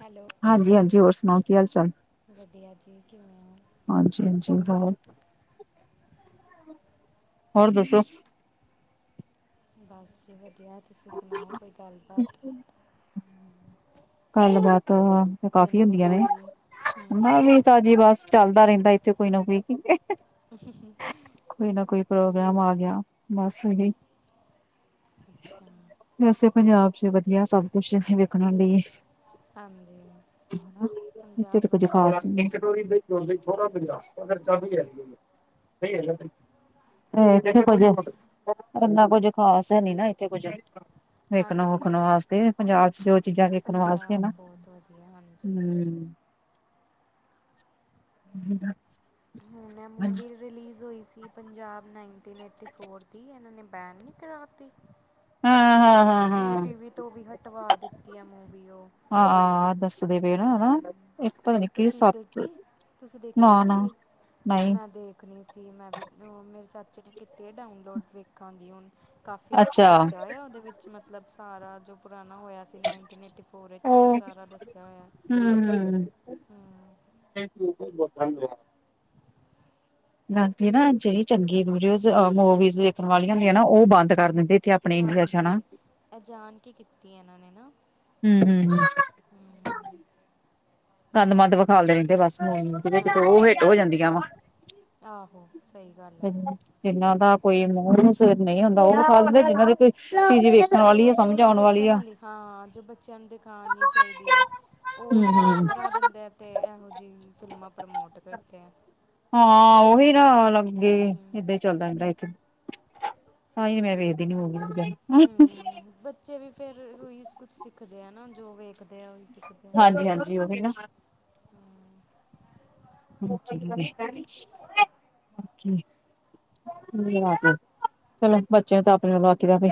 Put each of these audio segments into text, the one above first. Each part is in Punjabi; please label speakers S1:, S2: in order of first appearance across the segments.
S1: ਹੈਲੋ
S2: ਹਾਂਜੀ, ਹਾਂਜੀ, ਹੋਰ ਸਨਾਓ ਕੀ ਹਾਲ ਚਾਲ।
S1: ਵਧੀਆ ਜੀ ਕਿਵੇਂ ਹੋ
S2: ਹਾਂਜੀ, ਹਾਂਜੀ ਹੋਰ ਹੋਰ ਦੱਸੋ
S1: ਬਾੱਸ ਜੀ ਵਦੀਆ, ਤੁਸੀਂ ਸੁਨਾਓ ਕੋਈ ਗੱਲਬਾਤ
S2: ਗੱਲਬਾਤ ਤੇ
S1: ਕੋਈ
S2: ਕਾਫੀ
S1: ਨਵੀਂ
S2: ਹੁੰਦੀਆਂ ਨੇ,
S1: ਤਾਜ਼ੀ
S2: ਮੈਂ ਵੀ ਤਾਂ ਜੀ ਬਸ ਚੱਲਦਾ ਰਹਿੰਦਾ ਇੱਥੇ ਕੋਈ ਨਾ ਕੋਈ।
S1: [inaudible]
S2: ਕੋਈ ਨਾ ਕੋਈ ਪ੍ਰੋਗਰਾਮ ਆ ਗਿਆ ਬਸ ਇਹੀ।
S1: ਅੱਛਾ।
S2: ਵੈਸੇ, ਪੰਜਾਬ ਚ ਵਧੀਆ ਸਭ ਕੁਛ ਵੇਖਣ ਲਈ।
S1: ਹਾਂਜੀ
S2: ਇੱਥੇ
S1: ਪੰਜਾਬ
S2: ਤਾਂ ਕੁੱਝ
S1: ਵਧੀਆ ਹੈ
S2: ਖ਼ਾਸ ਨ ਐ। [unintelligible] [unintelligible] ਇਥੇ ਕੁਜ, ਇੰਨਾ ਕੁਜ ਖਾਸ ਹੈ ਨੀ ਨਾ ਇਥੇ ਕੁਜ। ਵੇਖਣ
S1: ਹਾਂਜੀ
S2: ਵੂਖਣ ਵਾਸਤੇ ਪੰਜਾਬ ਚ ਜੋ ਚੀਜ਼ਾਂ
S1: ਪੰਜਾਬ ਬਹੁਤ ਵਧੀਆ, ਹਾਂਜੀ।
S2: ਹੁੰ।
S1: ਹੁਣ ਐ ਮੂਵੀ ਰੀ ਰਿਲੀਜ਼ ਹੋਈ ਸੀ ਪੰਜਾਬ ਨਾਈਨਟੀਨ ਏਟੀ ਫੋਰ ਦੀ ਇਹਨਾਂ ਨੇ ਬੈਨ ਨਹੀਂ ਕਰਾ ਤੀ। ਜ਼ੀ ਜ਼ੀ
S2: ਹਾਂ-ਹਾਂ-ਹਾਂ-ਹਾਂ
S1: ਟੀਵੀ ਤੋਂ ਵੀ ਹਟਵਾ ਦਿੱਤੀ ਐ ਮੂਵੀ ਉਹ।
S2: ਹਾਂ, ਦੱਸਦੇ ਪੈਣ ਹਨਾ। ਇੱਕ ਪਤਾ ਨੀ ਕੀ
S1: ਤੁਸੀਂ
S2: ਸੱਤ
S1: ਦੇਖੀ, ਤੁਸੀਂ
S2: ਨਾ
S1: ਦੇਖਿ ਓ
S2: ਨਾ
S1: ਮੂਵੀ,
S2: ਨਹੀਂ
S1: ਮੈਂ ਦੇਖ ਖਣੀ ਸੀ ਮੈਂ ਵੀ, ਮੇਰੇ ਚਾਚੇ ਨੇ ਕੀਤੀ ਏ ਡਾਊਨਲੋਡ ਵੇਖਾਂ ਗੀ ਹੁਣ ਕਾਫੀ ਅੱਛਾ ਦੱਸਿਆ ਹੋਇਆ ਉਹਦੇ ਵਿੱਚ ਮਤਲਬ ਸਾਰਾ ਜੋ ਪੁਰਾਣਾ ਹੋਇਆ। ਸੀਂ ਨਾਈਨਟੀਨ ਏਟੀ ਫੋਰ ਈ ਚ ਉਹ ਸਾਰਾ ਦੱਸਿਆ ਹੋਇਆ।
S2: ਹੁੰ।
S1: ਹੁੰ।
S2: [unintelligible] [unintelligible] ਨਾ ਜੇ ਈ ਚੰਗੀ ਵੀਡੀਓ ਅ ਮੂਵੀਜ਼ ਵੇਖਣ ਵਾਲੀਆਂ ਹੁੰਦੀਆਂ ਨੇ ਨਾ, ਉਹ ਬੰਦ ਕਰ ਦਿੰਦੇ ਤੇ
S1: ਹਾਂਜੀ, ਏ ਜਾਣ ਕੇ ਕੀਤੀ ਐ ਇਹਨਾਂ ਨੇ ਨਾ।
S2: ਹੁੰ, ਹੁੰ, ਹੁੰ।
S1: ਹੁੰ।
S2: ਗੰਦ ਮੰੰਦ ਵਿਖਾ ਲਯੀ ਦੇ ਨੇ ਬਸ ਹੁੰ, ਫੇਰ ਇਕ ਤੇ ਉਹ ਹਿੱਟ ਹੋ
S1: ਹਾਂ
S2: ਜਾਂਦੀਆਂ ਵਾ
S1: ਆਹੋ ਸਹੀ ਗੱਲ ਹੈ
S2: ਜਿਨ੍ਹਾਂ ਦਾ ਕੋਈ ਮੂੰਹ ਸਿਰ ਨਹੀਂ ਹੁੰਦਾ ਉਹ ਵਿਖਾ ਦਿੰਦਾ ਜਿਨਾਂ ਦੀ ਕੋਈ [unintelligible]
S1: ਜੋ
S2: ਸਮਝ
S1: ਚੀਜ਼
S2: ਆਉਣ ਵਾਲੀ
S1: ਦੇਖਣ
S2: ਆ
S1: ਆਲੀ, ਹਾਂ, ਜੋ ਬੱਚਿਆਂ ਨੂੰ ਦਿਖਾ ਨੀ ਚਾਹੀਦੀ ਐ ਉਹ
S2: ਹਮ
S1: ਬੰਦ
S2: ਹਮ
S1: ਕਰ ਕਰਾ ਦਿੰਦਾ ਤੇ ਇਹੋ ਜਿਹੀ ਫਿਲਮਾਂ ਪ੍ਰਮੋਟ ਕਰਦੇ ਐ।
S2: ਹਾਂ, ਉਹੀ ਨਾ ਲਗੇ
S1: ਹੂੰ
S2: ਏਦਾਂ ਹੀ ਚੱਲਦਾ ਰਹਿੰਦਾ ਇੱਥੇ। ਤਾਂ ਹੀ ਮੈਂ ਦੇਖਦੀ ਨਹੀਂ ਮੂਵੀ ਜਾ
S1: ਹੁੰ, ਬੱਚੇ ਵੀ ਫੇਰ ਉਹੀ ਕੁਛ ਸਿੱਖਦੇ ਆ ਨਾ, ਜੋ ਵੇਖਦੇ ਆ ਉਹੀ ਸਿੱਖਦੇ ਆ।
S2: ਹਾਂਜੀ, ਉਹਹੀ ਨਾ [inaudible] ਆ ਚਲੋ ਬੱਚਿਆਂ ਨੇ ਤਾਂ ਆਪਣੇ ਨਾਲੋਂ ਆਖੀਦਾ ਵੀ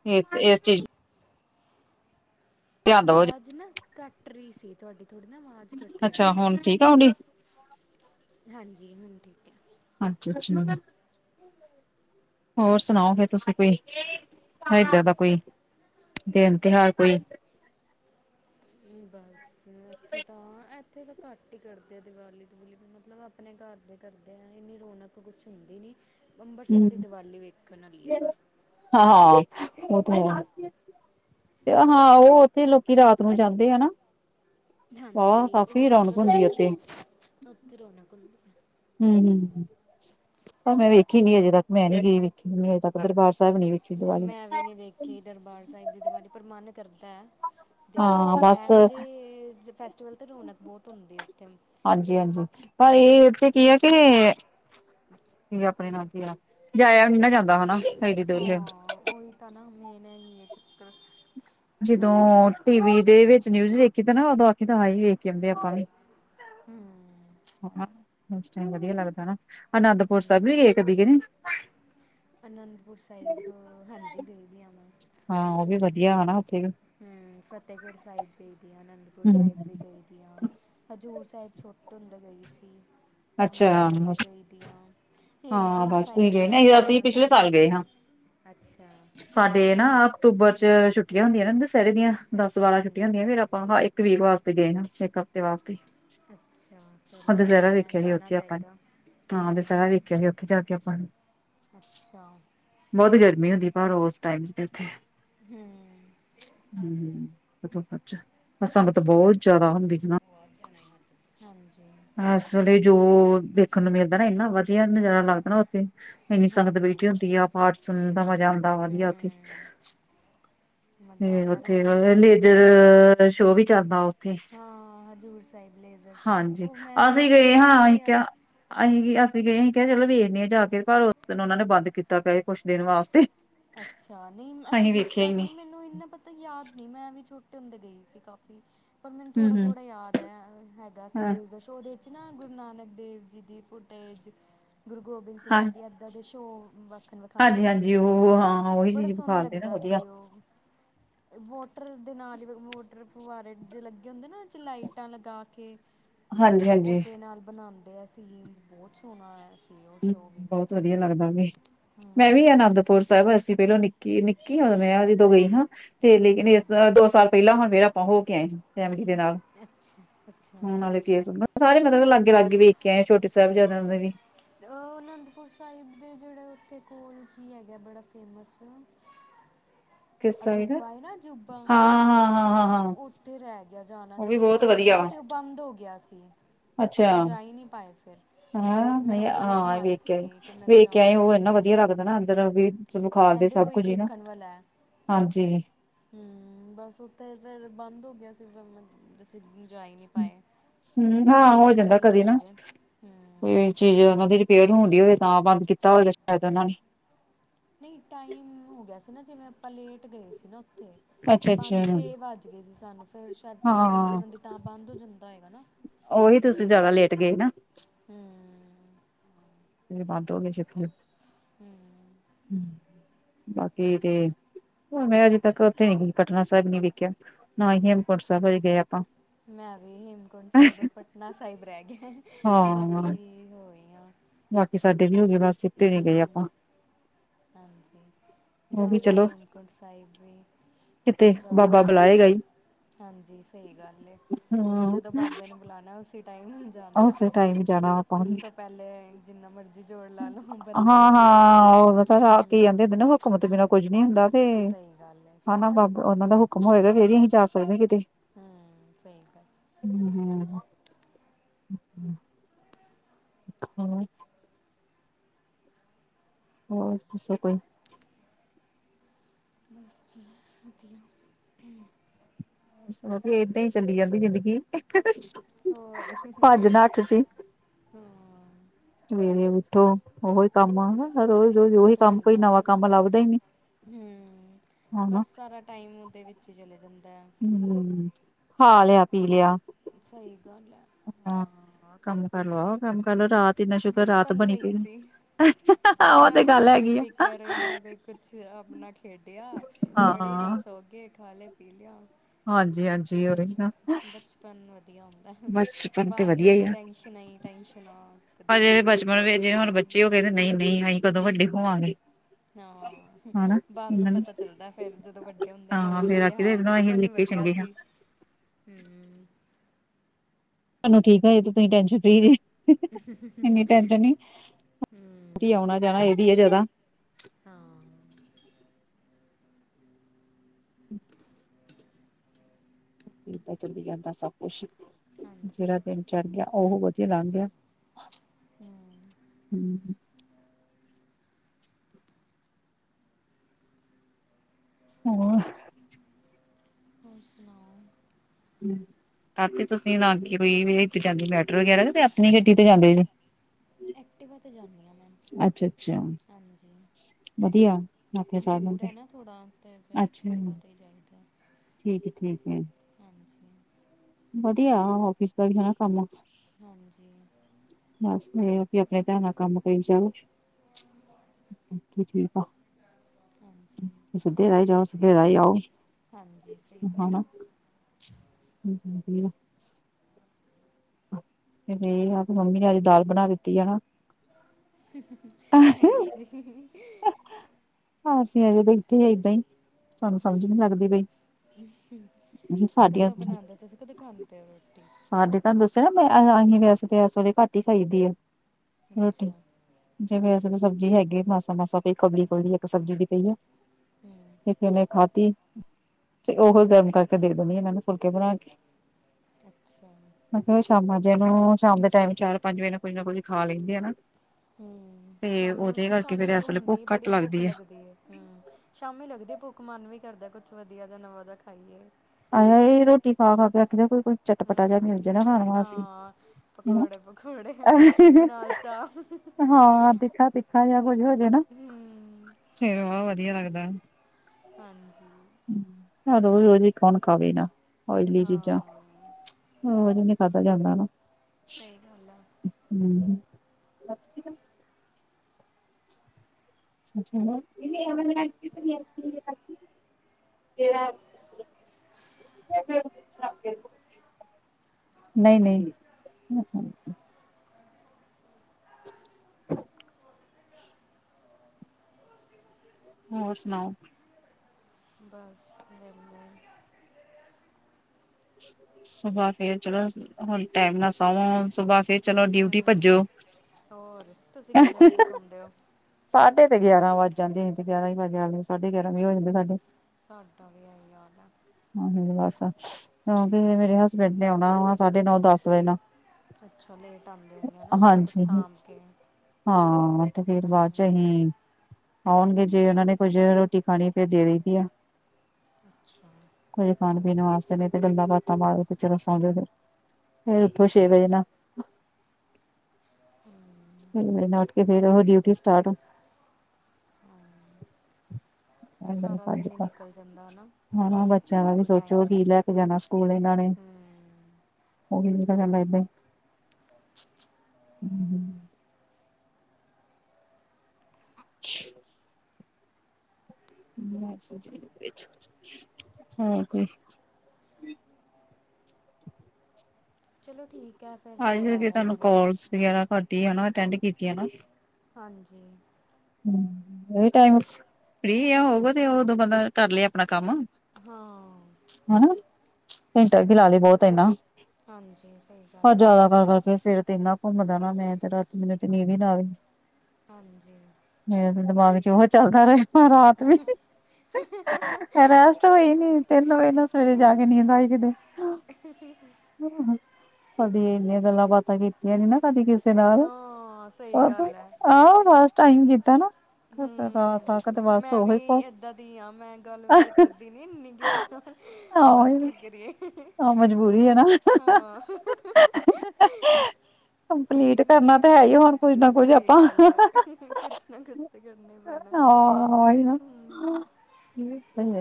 S2: [unintelligible] ਧਿਆਨ ਦਵੋ
S1: ਆਵਾਜ਼ ਨਾ ਕੱਟ ਰਹੀ ਸੀ, ਤੁਹਾਡੀ ਥੋੜ੍ਹੀ ਨਾ ਆਵਾਜ਼ ਕੱਟ ਰਹੀ।
S2: ਅੱਛਾ ਹੁਣ ਠੀਕ ਆ ਉਹਦੀ
S1: ਹਾਂਜੀ, ਹੁਣ ਠੀਕ ਐ।
S2: ਅੱਛਾ-ਅੱਛਾ ਹੋਰ ਸੁਣਾਓ ਫ ਤੁਸੀਂ ਕੋਈ ਹ ਇਦਰ ਦਾ ਕੋਈ ਦਿਨ ਤਿਉਹਾਰ ਕੋਈ
S1: ਬਸ, ਇੱਥੇ ਤਾਂ ਇੱਥੇ ਤਾਂ ਘੱਟ ਹੀ ਕਰਦੇ ਆ ਦਿਵਾਲੀ ਦੁਵਾਲੀ ਮਤਲਬ ਆਪ ਆਪਣੇ ਘਰ ਦੇ ਕਰਦੇ ਆ, ਇੰਨੀ ਰੌਣਕ ਕੁਛ ਹੁੰਦੀ ਨੀ ਅੰਮਬਰਸਰ
S2: ਹੂੰ
S1: ਦੀ ਦੀਵਾਲੀ ਵੇਖਣ ਵਾਲੀ ਐ ਪਰ
S2: ਹਾਂ-ਹਾਂ, ਉਹ ਤੇ ਹੈ। ਤੇ ਹਾਂ, ਉਹ ਉੱਥੇ ਲੋਕੀ ਰਾਤ ਨੂੰ ਜਾਂਦੇ ਹਨਾ।
S1: ਹਾਂਜੀ, ਉੱਥੇ
S2: ਹੁੰਦੀ ਉੱਥੇ
S1: [unintelligible] ਉੱਥੇ ਰੌਣਕ ਹੁੰਦੀ।
S2: ਹੂੰ, ਹੂੰ, ਹੂੰ ਤਾਂ, ਮੈਂ ਵੇਖੀ ਨੀ ਅਜੇ ਤੱਕ ਮੈਂ ਨੀ ਗਈ ਵੇਖੀ ਹਜੇ ਤੱਕ, ਦਰਬਾਰ ਸਾਬ ਨੀ ਵੇ
S1: ਮੈਂ ਵੀ ਨੀ ਦੇਖੀ ਦਰਬਾਰ ਸਾਈਬ ਦੀ ਦੀਵਾਲੀ, ਪਰ ਮਾੱਨ ਕਰਦਾ ਐ।
S2: ਹਾਂ
S1: ਦੀਵਾਲੀ,
S2: ਬਸ
S1: ਐਹੋ ਜੇ, ਜੇ ਫੈਸਟੀਵਲ ਤੇ ਰੋਣਕ ਬੋਤ ਹੁੰਦੀ ਉੱਥੇ
S2: ਹਾਂਜੀ, ਹਾਂਜੀ। ਪਰ
S1: ਹਮ
S2: ਇੱਥੇ ਕੀ ਆ ਕਿ, ਆਪਣੇ ਨਾਲ ਕੀ ਜਾਯਾ ਨੀ ਨਾ ਜਾਂਦਾ ਹਨਾ, ਏਡੀ ਦੂਰ [unintelligible]
S1: ਤਾ ਨਾ ਮੇਨ ਐਈ ਚੱਕਰ ਜਾਇਆ ਨਹੀਂ
S2: ਜਿਦੋਂ
S1: ਜਾਂਦਾ
S2: ਟੀ ਵੀ ਦੇ ਵੇਚ ਨਿਊਜ ਵੇਖੀ ਤਾਂ ਨਾ, ਉਦੋਂ ਆਖੀ ਤਾਂ ਹਾਏ ਵੇਖ ਆਦੇ ਆਪਾਂ ਵੀ
S1: ਹਮ
S2: ਲੰਚ ਟਾਈਮ ਵਦੀਆ ਲੱਗਦਾ ਨਾ ਅਨੰਦਪੁਰ ਸਾਈਬ
S1: ਹਾਂਜੀ
S2: ਵੀ ਗਏ, ਕਦੀ ਕਦੀ
S1: ਅਨੰਦਪੁਰ ਸਾਈਬ, ਹਾਂਜੀ ਗਈ ਦੀ ਆਂ ਮੈਂ
S2: ਹਾਂ, ਓਵੀ ਵਦੀਆ ਹਨਾ ਓਥੇ
S1: ਹੂੰ‌, ‌ ਫਤੇਗੜ ਸਾਈਬ ਗਈ ਦੀ ਆਂ, ਅਨੰਦਪੁਰ
S2: ਹਮ
S1: ਸਾਈਬ ਵੀ ਗਈ ਦੀਆਂ, ਹਜ਼ੂਰ ਸਾਈਬ ਛੋਟ ਹੁੰਦੇ ਗਈ ਸੀ।
S2: ਅੱਛਾ
S1: ਅੰਬਰਸਰ ਵੀ ਗਈ ਦੀ ਆਂ,
S2: ਹਾਂ
S1: ਹੇਮਕੁੰਡ
S2: ਬਸ ਤੁਸੀਂ
S1: ਸਾਈਬ
S2: ਗਏ ਨਾ ਅਸੀਂ
S1: ਰੈਗੇਆ
S2: ਪਿਛਲੇ
S1: ਓਥੇ
S2: ਸਾਲ ਗਏ ਹਾਂ
S1: ਜਾਣਾ ਅੱਛਾ,
S2: ਸਾਡੇ ਨਾ
S1: ਹੇਮ
S2: ਅਕਤੂਬਰ ਚ
S1: [unintelligible]
S2: ਛੁੱਟੀਆਂ ਹੁੰਦੀਆਂ ਨਾ ਦਸੈਰੇ ਦੀਆਂ, ਦਾੱਸ ਬਾਰਾਂ ਛੁੱਟੀਆਂ
S1: ਹਾਂਜੀ
S2: ਹੁੰਦੀਆਂ ਫੇਰ ਆਪਾਂ ਹਾਂ ਏਕ ਵੀਕ ਵਾਸਤੇ ਗਏ ਹਾਂ [unintelligible] ਵਾਸਤੇ,
S1: ਅੱਛਾ
S2: ਹਾ
S1: ਚਲੋ
S2: ਦਸੈਰਾ ਵੇ
S1: ਵਧੀਆ
S2: ਜੇੜੀ
S1: ਜਾਣਾ
S2: ਓਥੇ ਆਪਾਂ ਨੇ,
S1: ਚਾਹੀਦਾ
S2: ਹਾਂ ਦਸੈਰਾ
S1: ਹਮ
S2: ਵੇਖੇਆ ਸੀ ਓਥੇ ਜਾਕੇ ਆਪਾਂ ਨੇ।
S1: ਅੱਛਾ
S2: ਬੋਤ ਗਰਮੀ ਹੁੰਦੀ ਪਰ ਓਸ ਟਾਏਮ ਓਥੇ
S1: ਹੂੰ।
S2: ਹੂੰ, ‌ ਬੋਤ ਜਾਦਾ, ਸਾਨੂੰ ਬੋਤ ਜਾਦਾ ਹੁੰਦੀ ਸੀ ਨਾ
S1: [unintelligible] ਹਾਂਜੀ।
S2: ਐਸ ਵੇਲੇ ਜੋ, ਦੇਖਨ ਨੂੰ ਮਿਲਦਾ ਨਾ ਏਨਾ ਵਦੀਆ ਨਜ਼ਾਰਾ ਲੱਗਦਾ ਨਾ ਓਥੇ ਏਨੀ ਸੰਗਤ
S1: ਹਾਂਜੀ
S2: ਬੈਠੀ ਹੁੰਦੀ ਆ, ਪਾਠ ਸੁਨਨ ਦਾ ਮਜ਼ਾ ਆਂਦਾ ਵਦੀਆ ਓਥੇ
S1: ਹਮ ਮਜ਼ਾ
S2: ਤੇ
S1: ਆਉਂਦਾ
S2: ਓਥੇ
S1: ਰੌਣਕ ਹੋਏ ਨਾ
S2: ਲੇਜਰ ਅ, ਸ਼ੋਅ ਵੀ ਚੱਲਦਾ ਓਥੇ
S1: ਹਾਂ, ਹਜ਼ੂਰ ਸਾਈਬ ਲੇਜ਼ਰ ਸ਼ੋਅ
S2: ਹਾਂਜੀ
S1: ਓ ਮੈਂ ਦੇਖਆ ਮੈਨ ਥੋੜਾ, ਥੋੜਾ ਯਾਦ
S2: ਅਹੀਂ, ਅਸੀਂ ਗਏ ਹੀ ਕੇਆ ਚਲੋ ਵੇਖਨੇ ਆ ਜਾਕੇ, ਪਰ ਓਸ ਦੇਨ ਓਨਾਂ ਨੇ ਬਾੰਦ ਕੀਤਾ ਪੇਆ ਕੋਛ ਦੇਨ ਵਾਸਤੇ
S1: ਅੱਛਾ, ਨਈਂ ਅਸੀ‌
S2: ਅਸੀਂ ਵੇਖਿਆ
S1: ਦੇਖਆ
S2: ਹੀ
S1: ਸੀ
S2: ਨਹੀਂ
S1: ਮੇਨ ਮੈਨੂੰ ਏਨਾ ਪਤਾ ਯਾਦ ਨੀ, ਮੈਂ ਵੀ ਛੋਟੇ ਹੁੰਦੇ ਗਈ ਸੀ ਕਾਫ਼ੀ। ਪਰ ਮੈਨੂੰ
S2: ਹੂੰ
S1: ਥੋੜਾ,
S2: ਹੂੰ
S1: ਥੋੜਾ ਯਾਦ ਐ, ਹੈਗਾ ਸੀ
S2: ਹਾਂ
S1: ਲੇਜਰ ਸ਼ੋ ਓਦੇ ਚ ਨਾ ਗੁਰੂ ਨਾਨਕ ਦੇਵ ਜੀ ਦੀ ਫੋਟੇਜ, ਗੁਰੂ ਗੋਬਿੰਦ ਸਿੰਘ ਜੀ ਦੀਆ ਐਦਾ ਦੇ ਸ਼ੋਅ [unintelligible]
S2: ਹਾਂਜੀ,
S1: ਸੀ
S2: ਹਾਂਜੀ। ਓ ਹਾਂ ਉਹੀ
S1: ਬੜਾ
S2: ਚੀਜ਼
S1: ਸੋਨਾ
S2: ਵਿਖਾਲਦੇ ਨਾ
S1: ਲੱਗਦਾ
S2: ਵਧੀਆ।
S1: ਸੀ ਓ ਵੋਟਰ ਦੇ ਨਾਲ ਵੀ, ਵੋਟਰ ਫਵਾਰੇ ਜੇ ਲੱਗੇ ਹੁੰਦੇ ਨਾ, ਲਾਈਟਾਂ ਲਗਾ ਕੇ
S2: ਹਾਂਜੀ-ਹਾਂਜੀ।
S1: ਓਦੇ ਨਾਲ ਬਨਾਂਦੇ ਆ ਸੀਨ, ਬੋਤ ਸੋਨਾ ਐ।
S2: ਹੂੰ, ਬੋਤ ਵਦੀਆ ਲੱਗਦਾ ਵੇ, ਮੈਂ ਵੀ
S1: ਹੂੰ-ਹੂੰ
S2: ਆਨੰਦ ਪੁਰ ਸਾਈਬ ਅਸੀ ਪੇਲੋਂ ਨਿੱਕੀ, ਨਿੱਕੀ ਮੈਂ ਜਦੋਂ ਗਈ ਨਾ, ਤੇ ਲੇਕਿਨ ਏਸ ਦੋ ਸਾਲ ਪੈਲਾਂ ਹੋਂਦੇ ਬੋਹੋਂ ਕੇ, ਫੈਮਿਲੀ ਦੇ ਨਾਲ
S1: ਅੱਛਾ, ਅੱਛਾ।
S2: ਹੁਣ ਵਾਲੇ ਸਾਰੇ ਮਤਲਬ ਲਾਗੇ, ਲਾਗੇ ਵੇਖ ਕੇ ਆਏ ਆਂ, ਛੋ ਸੈਬਜ਼ਾਦੇਆਂ ਦੇ ਵੀ
S1: ਅਨੰਦਪੁਰ ਸਾਈਬ ਦੇ ਜੇੜੇ ਓਥੇ ਕੋਲ ਕੀ ਹੈਗਾ ਬੜਾ ਫੇਮਸ
S2: ਕਿਸ ਸਾਈਡ
S1: ਅਜੂਬਾ ਏ ਨਾ ਅਜੂਬਾ,
S2: ਹਾਂ-ਹਾਂ-ਹਾਂ-ਹਾਂ-ਹਾਂ
S1: ਓਥੇ ਰੈਗੇਆ ਜਾਨਾ
S2: ਉਹ ਵੀ
S1: ਜਦੋਂ ਆਪਾਂ
S2: ਬਹੁਤ
S1: ਗਏ
S2: ਵਧੀਆ
S1: ਨਾ
S2: ਵਾ
S1: ਤੇ ਬਾੰਦ ਹੋਗੇਆ ਸੀ, ਆਪਾਂ ਜਾਈ ਨੀ‌ ਪਾਏ ਫੇਰ
S2: ਹੈਂ ਨਈ ਹਾਂ ਵੇਥਆ,
S1: ਕਿ ਮੈਂ
S2: ਵੇਖਆ
S1: ਜਾਵਾਂ
S2: ਓ
S1: ਵੇਖ
S2: ਐਨਾ
S1: ਕੇ
S2: ਵਦੀਆ
S1: ਆਵਾਂ
S2: ਲੱਗਦਾ ਨਾ ਅੰਦਰ ਦਾ ਵੀ ਬੁਖਾਰ ਦੇ
S1: ਕਹਿੰਦੇ
S2: ਸਾੱਭ
S1: ਉਹੀ
S2: ਕੁਝ ਈ ਨਾ,
S1: ਵੇਖਣ ਵਾਲਾ ਹੈ।
S2: ਹਾਂਜੀ।
S1: ਹੂੰ, ਬਾੱਸ ਓਤੇ ਫੇਰ ਬੰਦ ਹੋਗੇਆ ਸੀ, ਫੇਰ ਮੈ ਅਸੀਂ ਜਾ ਈ ਨੀ ਪਾਏ,
S2: ਹੂੰ ਹਾਂ ਹੋ
S1: ਵੇਖਨ
S2: ਜਾਂਦਾ
S1: ਆਲੀ
S2: ਕਦੇ ਨਾ
S1: ਚੀਜ਼ ਐ। ਹੂੰ
S2: ਕੋਈ ਚੀਜ਼ ਓਨਾਂ ਦੀ ਰਿਪੇਅਰ ਹੋਦੀ ਹੋਵੇ, ਤਾਂ ਬਾੰਦ ਕੀਤਾ ਹੋਵੇ ਸ਼ਾਏਦ ਓਨਾਂ ਨੇ
S1: ਨਹੀ ਟਾਈਮ ਹੋ ਗਿਆ ਸੀ ਨਾ ਜਿਵੇਂ, ਆਪਾਂ ਲੇਟ ਗਏ ਸੀ ਨਾ ਉੱਥੇ।
S2: ਅੱਛਾ ਅੱਛਾ
S1: ਪੰਜ ਛੇ ਵੱਜ ਗਏ ਸੀ ਸਾਨੂੰ। ਫਿਰ ਸ਼ਾਇਦ ਟਾਈਮਿੰਗ
S2: ਹਾਂ
S1: ਉਹਨਾਂ ਦੀ ਤਾਂ ਬੰਦ ਹੋ ਜਾਂਦਾ ਹੈਗਾ ਨਾ। ਪੰਜ
S2: ਉਹੀ
S1: ਛੇ
S2: ਤੁਸੀਂ
S1: ਵਜੇ
S2: ਜ਼ਿਆਦਾ
S1: ਨਾਲ,
S2: ਲੇਟ ਗਏ ਨਾ
S1: ਹੂੰ।
S2: ਮੇਰੇ [inaudible]
S1: ਹੂੰ।
S2: ਬਾਕੀ ਤੇ ਮੈਂ ਅਜੇ ਤੱਕ ਓਥੇ ਨੀ ਗਈ, ਪਟਨਾ ਸਾਹਿਬ ਨੀ ਵੇਖਿਆ, ਨਾ ਹੀ ਹੇਮਕੁੰਟ ਸਾਹਿਬ ਗਏ ਆਪਾਂ।
S1: ਮੈਂ ਵੀ, ਹੇਮਕੁੰਟ ਸਾਹਿਬ, ਪਟਨਾ ਸਾਹਿਬ ਰਹਿ ਗਿਆ।
S2: ਹਾਂ
S1: ਕੀ ਹੋਈਆਂ?
S2: ਬਾਕੀ ਸਾਡੇ ਵੀ ਹੋ ਗਏ, ਬਸ ਇੱਥੇ ਨੀ ਗਏ ਆਪਾਂ।
S1: ਹਾਂਜੀ,
S2: ਉਹ ਵੀ
S1: ਜਾਨਾ
S2: ਚਲੋ
S1: ਏ ਹੇਮਕੁੰਟ ਸਾਹਿਬ ਵੀ।
S2: ਕਿਤੇ, ਬਾਬਾ
S1: ਜਾਵਾਂਗੇ
S2: ਬੁਲਾਏਗਾ ਈ।
S1: ਹਾਂਜੀ, ਸਹੀ ਗੱਲ ਏ। ਜਦੋਂ
S2: ਹਾਂ
S1: ਬਾਬੇ ਨੂੰ ਬੁਲਾਣਾ ਉਸੀ ਟਾਈਮ ਹੀਂ ਜਾਣਾ।
S2: ਉਸੇ ਟਾਈਮ ਜਾਣਾ ਆਪਾਂ
S1: ਉਸ
S2: ਵੀ।
S1: ਤੋਂ ਪਹਿਲੇ ਜਿੰਨਾ ਮਰਜ਼ੀ ਜੋਰ ਲਾ ਲਓ, ਬਣਦਾ
S2: ਹਾਂ
S1: ਈ ਨੀਂ।
S2: ਹਾਂ ਓ [unintelligible] ਕਈ ਆਂਦੇ ਹੁੰਦੇ ਨਾ ਹੁਕੁਮ ਤੋ ਬਿਨਾਂ ਕੁੱਝ ਨੀ ਹੁੰਦਾ। ਤੇ
S1: ਸਹੀ ਗੱਲ ਹੈ,
S2: ਹਾਂ,
S1: ਸਹੀ
S2: ਹਾਂ, ਹਾਂ,
S1: ਗੱਲ ਹੈ,
S2: ਉਹਨਾਂ ਦਾ ਹੁਕਮ ਹੋਏਗਾ ਫੇਰ ਅਸੀਂ ਜਾ ਸਕਦੇ ਕਿਤੇ।
S1: ਹੂੰ, ਸਹੀ ਗੱਲ।
S2: ਹੂੰ- ਹੂੰ [inaudible] ਹੋਰ ਦੱਸੋ ਕੋਈ?
S1: [unintelligible] ਬਸ ਜੀ, ਵਦੀਆਂ। ਹੂੰ
S2: ਰੋ ਕੇ ਏਦਾਂ ਈ ਚਲੀ ਜਾਂਦੀ ਜ਼ਿੰਦਗੀ।
S1: ਹੋਰ,
S2: ਭੱਜ ਨੱਠ ਸੀ
S1: [unintelligible]
S2: ਸਵੇਰੇ ਉਠੋ, ਓਹੋ ਈ ਕੰਮ। ਰੋਜ਼, ਰੋਜ਼ ਓਹੀ ਕੰਮ,
S1: ਸਹੀ
S2: ਕੋਈ ਨਵਾਂ
S1: ਗੱਲ ਹੈ।
S2: ਕੰਮ ਲੱਭਦਾ ਈ ਨੀ।
S1: ਹੂੰ,
S2: ਹਨਾ
S1: ਬਸ ਸਾਰਾ ਟਾਈਮ ਉਹਦੇ ਵਿੱਚ ਹੀ ਚਲੇ ਜਾਂਦੈ।
S2: ਹੂੰ, ਖਾ ਲਿਆ, ਪੀ ਲਿਆ।
S1: ਸਹੀ ਗੱਲ ਐ।
S2: ਹਾਂ, ਕੰਮ ਕਰਵਾਓ, ਕੰਮ ਕਰਲੋ ਰਾਤ ਇੰਨਾ ਸ਼ੁਕਰ ਰਾਤ
S1: ਬਚਪਨ
S2: ਬਣੀ
S1: ਸਈ
S2: ਪਈ
S1: ਸੀ।
S2: ਉਹ
S1: ਹੈਨਾ,
S2: ਤੇ
S1: ਨਾ
S2: ਗੱਲ
S1: ਕੋਈ
S2: ਹੈਗੀ ਆ
S1: ਫਿਕਰ, ਨਾ ਕੋਈ ਕੁਛ। ਆਪਣਾ ਖੇਡਿਆ ਪੜ੍ਹਿਆ,
S2: ਹਾਂ
S1: ਸੌਗੇ, ਖਾ ਲੇ, ਪੀ ਲਿਆ।
S2: ਹਾਂਜੀ, ਹਾਂਜੀ। ਉਹੀ ਨਾ
S1: ਬਸ ਬਚਪਨ ਵਧੀਆ ਹੁੰਦੈ,
S2: ਬਚਪਨ
S1: ਬਾਦ ਨੂੰ
S2: ਵਧੀਆ
S1: ਤੇ ਟੈਂਸ਼ਨਾ ਈ ਟੈਂਸ਼ਨਾ।
S2: ਪਰ ਜਿਹੜੇ ਬਚਪਨ ਵੀ ਜੇ ਹੁਣ ਬੱਚੇ ਹੋ ਗਏ ਦੇ ਨਹੀਂ-ਨਹੀਂ, ਅਸੀਂ ਕਦੋਂ ਵੱਡੇ ਹੋਵਾਂਗੇ?
S1: ਹਾਂ
S2: ਹਨਾ
S1: ਬਾਅਦ ਨੂੰ
S2: ਇਹਨਾਂ ਨੇ
S1: ਪਤਾ ਚੱਲਦਾ ਫੇਰ। ਜਦੋਂ ਵੱਡੇ ਹੁੰਦੇ, ਫਿਰ
S2: ਹਾਂ ਫੇਰ
S1: ਕਹਿੰਦੇ
S2: ਆਖੀ ਦਾ
S1: ਹਾਂ
S2: ਇਹਦੇ ਨਾਲੋਂ ਅਸੀਂ
S1: ਬਚਪਨ ਹੀ
S2: ਨਿੱਕੇ
S1: ਵਧੀਆ ਸੀ।
S2: [unintelligible]
S1: ਹੂੰ।
S2: ਤੁਹਾਨੂੰ ਠੀਕ ਆ ਇਹਏ, ਤੁਸੀਂ ਟੈਨਸ਼ਨ ਫਰੀ ਰਹੇ। ਇਨੀ ਟੈਂਸ਼ਨ ਨੀ, ਆਉਣਾ
S1: ਹੂੰ
S2: ਜਾਣਾ ਇਹਦੀ ਹੈ ਜਿਆਦਾ।
S1: ਹਾਂ।
S2: ਬੱਸ ਚਲੀ ਜਾਂਦਾ ਸਭ ਕੁਛ।
S1: ਹਾਂਜੀ
S2: ਜਿਹੜਾ ਦਿਨ ਚੱੜ ਗਿਆ, ਉਹ ਵਧੀਆ ਲੰਘ ਗਿਆ।
S1: ਹੂੰ
S2: ਹੂੰ। ਹੋਰ?
S1: ਹੋਰ ਸੁਣਾਓ?
S2: ਹਾਂ ਫੇਰ ਤੁਸੀਂ ਨਾਨਕੇ ਬਈ ਕਿਦੇ ਤੇ ਜਾਂਦੇ, ਮੈਟਰੋ ਵਗੈਰਾ ਤੇ ਆਪਣੀ ਗੱਡੀ ਤੇ ਜਾਂਦੇ ਜੇ?
S1: ਐਕਟੀਵਾ 'ਤੇ ਜਾਂਨੀ ਆ ਮੈਂ।
S2: ਅੱਛਾ, ਅੱਛਾ।
S1: ਹਾਂਜੀ।
S2: ਬਦੀਆ [unintelligible] ਸਾਦਨ
S1: ਦੂਰ
S2: ਤੇ
S1: ਹੈ ਨਾ ਥੋੜ੍ਹਾ ਤੇ ਫਿਰ
S2: ਅੱਛਾ,
S1: ਐਕਟਿਵਾ 'ਤੇ ਹੀ ਜਾਈਦਾ
S2: ਠੀ ਠੀਕ ਏ, ਠੀਕ ਏ
S1: ਹਾਂਜੀ
S2: ਵਦੀਆ ਓਫੀਸ ਦਾ ਵੀ ਹਨਾ ਕੰਮ।
S1: ਹਾਂਜੀ।
S2: ਬਸ ਫੇਰ ਆਪਨੀ, ਆਪਨੀ ਭੈਨਾ ਕੰਮ ਕਰੀ ਜਾਨ। ਠੀਕ ਆ,
S1: ਹਾਂਜੀ
S2: ਸਿੱਦੇ ਰਾਹ ਈ ਜਾਓ, ਸੀਦੇ ਰਾਹ ਈ ਆਓ।
S1: ਹਾਂਜੀ, ਸਈ ਗਾੱਲ ਆ।
S2: ਹੂੰ, ਹੂੰ। ਆਪ ਮੰਮੀ ਨੇ ਆਜ ਦਾਲ ਬਣਾ ਕੇ ਦਿੱਤੀ ਆਨਾ।
S1: ਹਾਂਜੀ।
S2: ਹਾਂ ਅਸੀਂ ਐਵੇ ਬੈਠੇ ਆਂ ਏਦਾਈ, ਸਾਨੂੰ ਸਮਜ ਨੀ ਲੱਗਦੀ ਪਈ।
S1: ਕਦੋਂ ਬਨਾਂਦੇ ਤੁਸੀ ਕਦੋਂ ਖਾਂਦੇ ਓ ਰੋਟੀ?
S2: ਸਾਡੇ ਤੁਹਾਨੂੰ ਦੱਸੇਆ ਨਾ ਮੈਂ ਆ ਐਨੀ ਅਸੀਂ ਵੈਸੇ ਤਾਂ ਐਸ ਵੇਲੇ ਘੱਟ ਈ ਖਾਈਦੀ ਏ,
S1: ਅੱਛਾ
S2: ਰੋਟੀ। ਜਿਵੇਂ ਏਸ ਵੇਲੇ ਸਬਜੀ ਹੈਗੀ, ਮਾਸਾ-ਮਾਸਾ ਪਈ ਕੋਲੀ ਕੋਈ ਇੱਕ ਸਬਜੀ ਦੀ ਪਈ ਆ
S1: ਹਮ
S2: ਫੇਰ ਕੀਨੇ ਖਾਤੀ ਤੇ ਓਹ ਗਰਮ ਕਰਕੇ ਦੇ ਦੇਨੀ ਆ ਏਨਾਂ ਨੂ ਫੂਲਕੇ ਬਣਾ ਕੇ।
S1: ਅੱਛਾ।
S2: ਮੈਂ ਕੇਹਾ ਸ਼ਾਮਾਂ ਜੇਆ ਨੂੰ ਸ਼ਾਮ ਦੇ ਟੈਮ ਚਾਰ, ਪੰਜ ਵਜੇ ਨਾਲ ਕੁੱਝ ਨਾ ਕੁੱਝ ਖਾ ਲੈਂਦੇ ਆ ਨਾ
S1: ਹੂੰ,
S2: ਤੇ
S1: ਸ਼ਾਮੀ
S2: ਉਹਦੇ ਕਰਕੇ
S1: ਸ਼ਾਮੀ
S2: ਫੇਰ ਇਸ ਵੇਲੇ
S1: ਹੁੰਦੇ ਹੀ
S2: ਭੁੱਖ ਘੱਟ
S1: ਬੜੀ ਭੁੱਖ
S2: ਆ
S1: ਲੱਗਦੀ ਹੂੰ, ਸ਼ਾਮੀ ਲੱਗਦੀ ਭੁੱਖ ਮਨ ਵੀ ਕਰਦਾ ਕੁਛ ਵਦੀਆ ਜਾ ਨਵਾਂ ਜਾ ਖਾਈਏ।
S2: ਐਵੇ ਏ ਰੋਟੀ ਖਾ-ਖਾ ਕੇ ਆੱਕ ਦਾ ਕੋਈ। ਕੋਈ ਚਟਪਟਾ ਜਾ ਮਿਲ਼
S1: ਹਮ
S2: ਜੇ ਨਾ ਖਾਣ ਵਾਸਤੇ
S1: ਹਾਂ ਪਕੌੜੇ ਪਕੌੜੇ ਨਾਲ ਚਾਹ
S2: ਹਾਂ, ਤਿੱਖਾ-ਤਿੱਖ ਐਜਾ ਕੋਜ ਹੋਜੇ ਨਾ,
S1: ਹਮ
S2: ਫੇਰ ਵੋ ਵਦੀਆ ਲਗਦੈ।
S1: ਹਾਂਜੀ।
S2: ਰੋਜ-ਰੋਜ ਵੀ ਕੌਣ ਖਾਵੇ ਨਾ, ਓਇਲੀ
S1: ਹਾਂ
S2: ਚੀਜਾਂ। ਰੋਜ ਨੀ ਖਾਦਾ ਜਾਂਦਾ ਨਾ।
S1: ਸਈ ਗੱਲ ਐ।
S2: ਹੂੰ। [unintelligible] [unintelligible] ਨਈ-ਨਈ। ਹੋਰ ਸੁਨਾਓ?
S1: ਬਾਸ ਵਦੀਆ।
S2: ਸੁਬਾਹ ਫੇਰ ਚਲੋ ਹੋਨ ਟੈਮ ਨਾਲ ਸਾਰਾ, ਸੁਬਾਹ ਫੇਰ ਚਲੋ ਡਿਊਟੀ
S1: ਹਮ
S2: ਭੱਜੋ।
S1: ਹੋਰ, ਤੁਸੀ ਕਿੰਨੇ ਵਜੇ ਸੌਦੇ ਓ?
S2: ਸਾਡੇ ਕ ਗੇਆਰਾਂ ਵੱਜ ਜਾਂਦੇ ਨੇ, ਅਹੀਂ ਤੇ ਗੇਆਰਾਂ ਵਜੇ ਆਂਦੇ ਸਾਡੇ ਗੇਆਰਾਂ ਵਜੇ ਹੋ ਜਾਂਦੇ ਸਾਡੇ।
S1: ਸਾਡਾ ਵੀ ਆਈ ਹਾਲ ਆ।
S2: ਆਹੀ ਬਾਸ, ਕੇਓਕਿ ਮੇਰੇ ਹਸਬੈਂਡ ਨੇ ਆਉਣਾ, ਸਾਡੇ ਨੋ ਦਾਸ ਵਜੇ ਨਾ।
S1: ਅੱਛਾ, ਲੇਟ ਆਉਂਦੇ ਹੋਂਗੇ ਨਾ ਸਾਰਾ ਕੁਛ
S2: ਹਾਂਜੀ
S1: ਸਾਂਬ ਕੇ।
S2: ਹਾਂ, ਤੇ ਫੇਰ ਬਾਚੋ
S1: ਹਮ
S2: ਅਹੀਂ ਆਉਨਗੇ ਜੇ ਓਨਾਂ ਨੇ ਕੁੱਝ, ਰੋਟੀ ਖਾਣੀ ਫੇਰ ਦੇ ਦਈ ਦੀ ਆ।
S1: ਅੱਛਾ
S2: ਕੁਝ ਖਾਣ-ਪੀਣ ਵਾਸਤੇ ਨਈ ਤੇ ਗੱਲਾਂ, ਬਾਤਾਂ ਮਾਰੋ ਕੁਛ ਰਸਾਂ ਦੇਦੋ ਫੇਰ ਉਠੋ
S1: ਅੱਛਾ
S2: ਸੇ਼ ਵਜੇ ਨਾਲ।
S1: ਹੂੰ।
S2: ਫੇਰ ਮੇਰੇ ਨਾਲ ਉੱਠ ਕੇ ਫੇਰ ਓ ਡਿਊਟੀ ਸਟਾਟ। [inaudible]
S1: ਹਾਂ
S2: [unintelligible]
S1: ਸਾਰਾ ਦਿਨ ਹੀ ਨਿਕਲ ਜਾਂਦਾ ਨਾ
S2: ਬੱਚਿਆਂ ਦਾ ਵੀ
S1: ਬਿਲਕੁਲ ਟਾਈਮ
S2: ਸੋਚੋ
S1: ਨਹੀਂ
S2: ਕੀ ਲੈ ਜਾਣਾ
S1: ਬਚਦਾ
S2: ਸਕੂਲ ਇਹਨਾਂ ਨੇ,
S1: ਹਮ
S2: ਉਹ ਵੀ ਨਿਕਲ ਜਾਂਦਾ ਏਦਾਂ ਈ। ਹਮ [unintelligible] ਹੋਰ ਕੋਈ?
S1: ਚਲੋ, ਠੀਕ ਹੈ ਫਿਰ
S2: ਅੱਜ,
S1: ਕੋਲ ਆ ਰਿਹਾ
S2: ਤੁਹਾਨੂੰ
S1: ਮੈਨੂੰ
S2: ਕੋਲਸ ਵਗੈਰਾ ਘੱਟ ਹੀ ਹਨਾ, ਅਟੈੰਡ ਕੀਤੀ ਐ ਨਾ?
S1: ਹਾਂਜੀ।
S2: ਇਹ ਟਾਈਮ ਫਰੀ ਆ,
S1: ਹੋ
S2: ਹੋਵੋ
S1: ਗਈ
S2: ਤੇ ਉਦੋਂ ਬੰਦਾ ਕਰ ਲਏ ਆਪਣਾ ਕੰਮ।
S1: ਹਾਂ।
S2: ਹੋਰ ਘੰਟਾ, ਕੀ ਲਾ ਲਏ ਬਹੁਤ ਐ ਇੰਨਾ,
S1: ਹਾਂਜੀ ਸਹੀ
S2: ਪਰ
S1: ਗੱਲ ਹੈ
S2: ਜਿਆਦਾ ਕਰ ਕਰਕੇ ਸਿਰ ਤੇ, ਇੰਨਾ ਘੁੰਮਦਾ ਨਾ ਮੈਂ ਤੇ ਰਾਤ ਮੈਨੂੰ ਤੇ ਨੀਂਦ ਹੀ ਨਾ ਆਵੇ।
S1: ਹਾਂਜੀ।
S2: ਮੇਰੇ ਤੇ ਦਿਮਾਗ ਚ, ਉਹ ਚੱਲਦਾ ਰਿਹਾ ਰਾਤ ਵੀ ਰੈਸਟ ਹੋਈ ਨੀ, ਤਿੰਨ ਵਜ਼ੇ ਸਵੇਰੇ ਜਾ ਕੇ ਨੀਂਦ ਆਈ ਕਿੱਧਰੇ
S1: ਹਾ -ਹਾ, ਹਾ
S2: ਕਦੇ ਇੰਨੀਆਂ ਗੱਲਾਂ- ਬਾਤਾਂ ਕੀਤੀਆਂ ਨੀ ਨਾ, ਕਦੀ ਕਿਸ ਨਾਲ,
S1: ਹਾਂ ਸਹੀ
S2: ਆਹ
S1: ਗੱਲ ਹੈ
S2: ਫਸਟ ਟਾਈਮ ਕੀਤਾ ਨਾ। ਰਾਤ
S1: ਹੂੰ
S2: ਆ ਕੇ ਤੇ ਬਸ,
S1: ਮੈਂ ਵੀ ਏਦਾਂ ਦੀ ਆ ਮੈਂ ਗੱਲ ਵੈਸੇ ਕਰਦੀ ਨੀ ਇੰਨੀ ਕਿਸੇ ਨਾਲ
S2: [unintelligible]
S1: ਪਰ
S2: ਆਵਾਂਗੀ
S1: ਕੀ ਕਰੀਏ
S2: ਮਜਬੂਰੀ ਹੈ ਨਾ
S1: ਹਾਂ
S2: ਕੰਪਲੀਟ ਕਰਨਾ, ਤਾਂ ਹੈ ਹੀ ਹੁਣ ਕੁੱਝ
S1: ਹਮ,
S2: ਨਾ ਕੁੱਝ
S1: ਸਹੀ
S2: ਆਪਾਂ
S1: ਗੱਲ ਹੈ ਕੁਛ ਨਾ, ਕੁਛ ਤੇ ਕਰਨਾ ਹੀ ਪੈਣਾ,
S2: ਹਾਂ
S1: ਹਮ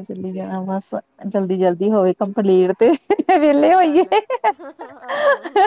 S2: ਚਲੀ ਜਾਣਾ ਬਸ, ਜਲਦੀ
S1: ਹਮ,
S2: -ਜਲਦੀ ਹੋਵੇ ਕੰਪਲੀਟ ਤੇ ਵਿੇਹਲੇ
S1: ਸਹੀ ਗੱਲ
S2: ਹੋਈਏ।
S1: ਹੈ ਆਹੋ